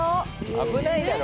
危ないだろ！